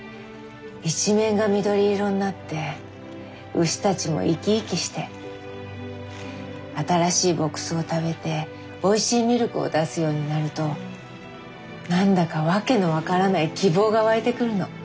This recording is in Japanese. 一面が緑色になって牛たちも生き生きして新しい牧草を食べておいしいミルクを出すようになると何だか訳の分からない希望が湧いてくるの。